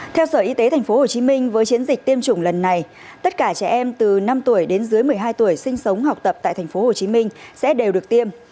theo sở y tế tp hcm với chiến dịch tiêm chủng lần này tất cả trẻ em từ năm tuổi đến dưới một mươi hai tuổi sinh sống học tập tại tp hcm sẽ đều được tiêm